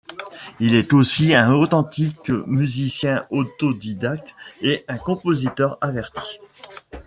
Il est aussi un authentique musicien autodidacte et un compositeur averti.